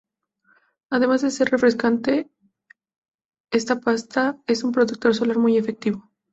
Además de ser refrescante, esta pasta es un protector solar muy efectivo.